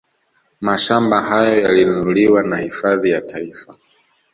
Mashamba hayo yalinunuliwa na hifadhi ya Taifa